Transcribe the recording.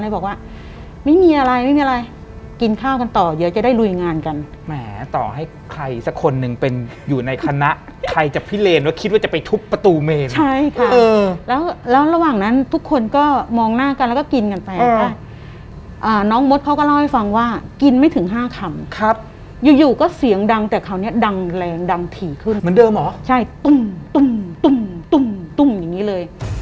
บอกว่าไม่มีอะไรไม่มีอะไรกินข้าวกันต่อเยอะจะได้รวยงานกันแหมต่อให้ใครสักคนนึงเป็นอยู่ในคณะใครจะพิเลนว่าคิดว่าจะไปทุบประตูเมนใช่ค่ะเออแล้วแล้วระหว่างนั้นทุกคนก็มองหน้ากันแล้วก็กินกันไปเอออ่าน้องมดเขาก็เล่าให้ฟังว่ากินไม่ถึงห้าคำครับอยู่อยู่ก็เสียงดังแต่คราวเนี้ยดังแร